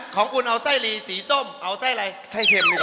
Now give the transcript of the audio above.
ของคุณเอาไส้หลีสีส้มเอาไส้อะไร